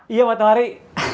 iya pak tuhari